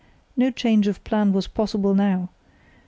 No change of plan was possible now.